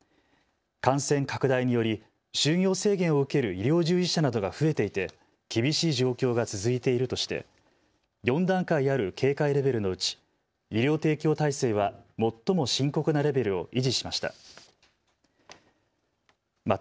感染拡大により就業制限を受ける医療従事者などが増えていて厳しい状況が続いているとして４段階ある警戒レベルのうち医療提供体制は最も深刻なレベルを維持しました。